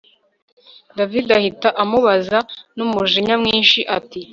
david ahita amubaza numujinya mwinshi ati